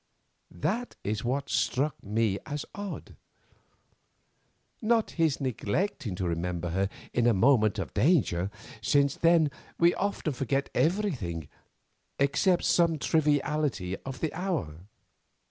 That is what struck me as odd; not his neglecting to remember her in a moment of danger, since then we often forget everything except some triviality of the hour.